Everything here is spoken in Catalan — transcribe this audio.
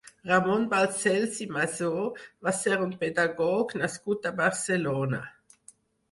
Ramon Balcells i Masó va ser un pedagog nascut a Barcelona.